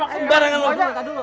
sembarangan mulut lu